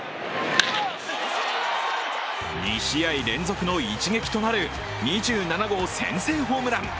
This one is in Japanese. ２試合連続の一撃となる２７号先制ホームラン。